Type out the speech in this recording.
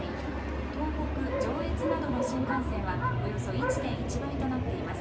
東北、上越などの新幹線はおよそ１．１倍となっています。